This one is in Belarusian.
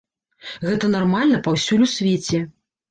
Гэта нармальна паўсюль у свеце.